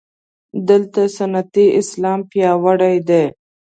دلته سنتي اسلام پیاوړی دی.